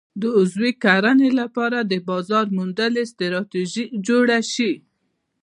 د عضوي کرنې لپاره د بازار موندنې ستراتیژي جوړه شي.